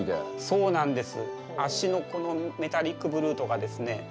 そうなんです。